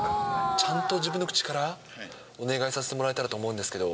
ちゃんと自分の口からお願いさせてもらえたらと思うんですけれども。